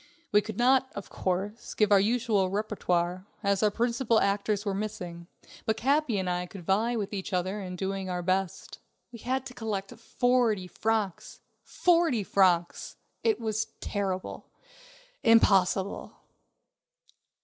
We could not, of course, give our usual repertoire, as our principal actors were missing, but Capi and I could vie with each other in doing our best. We had to collect forty francs! Forty francs! It was terrible! Impossible!